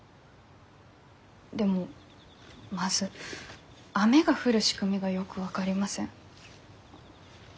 でもまず雨が降る仕組みがよく分かりません。